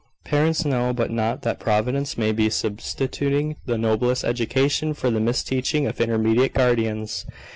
Parents know not but that Providence may be substituting the noblest education for the misteaching of intermediate guardians.